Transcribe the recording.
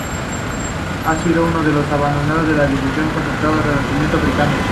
Ha sido una de los abanderados en la difusión del concepto del Renacimiento Africano.